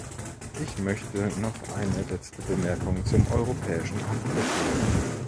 Ich möchte noch eine letzte Bemerkung zum Europäischen Haftbefehl machen.